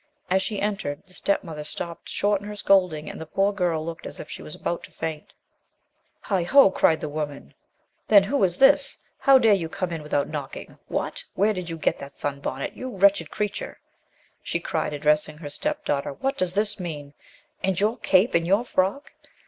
As she entered, the step mother stopped short in her scolding, and the poor girl looked as if she was about to faint. "Heigho!" cried the woman, "and 20 THE LOST DRYAD who is this? How dare you come in without knocking? What! Where did you get that sun bonnet? You wretched creature !" she cried, addressing her step daughter, "what does this mean? And your cape and your frock